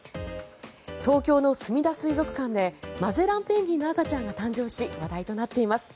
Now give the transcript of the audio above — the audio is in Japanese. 東京のすみだ水族館でマゼランペンギンの赤ちゃんが誕生し話題となっています。